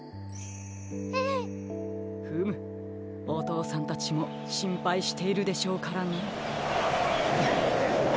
フムおとうさんたちもしんぱいしているでしょうからね。